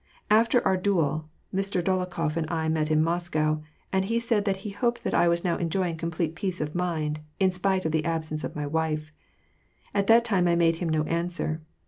After our duel, Mr. Dolokhof and I met in Moscow, and he said that he hoped that I was now enjoying complete peace of mind, in spite of the absence of my wife. At that time I made him no answer.